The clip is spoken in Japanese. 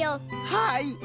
はい。